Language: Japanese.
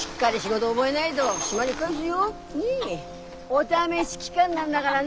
お試し期間なんだがらね！